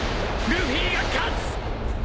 ルフィが勝つ！